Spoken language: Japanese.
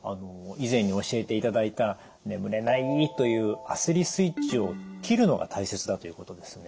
以前に教えていただいた「眠れない」という焦りスイッチを切るのが大切だということですね。